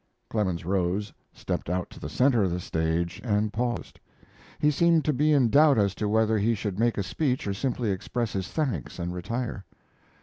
Clemens rose, stepped out to the center of the stage, and paused. He seemed to be in doubt as to whether he should make a speech or simply express his thanks and retire.